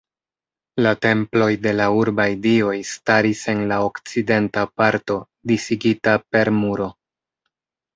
La temploj de la urbaj dioj staris en la okcidenta parto, disigita per muro.